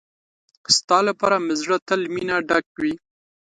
ستا لپاره مې زړه تل مينه ډک وي.